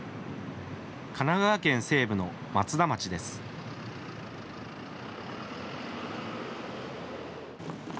神奈川県西部の松田町です。